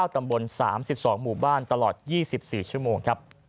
ตำบล๓๒หมู่บ้านตลอด๒๔ชั่วโมง